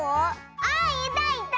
あいたいた！